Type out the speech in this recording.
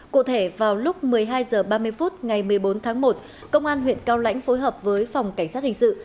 cụ thể vào lúc một mươi hai h ba mươi phút ngày một mươi bốn tháng một công an huyện cao lãnh phối hợp với phòng cảnh sát hình sự